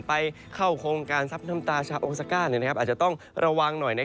ไปเข้าโครงการซับน้ำตาชาวโอซาก้าอาจจะต้องระวังหน่อย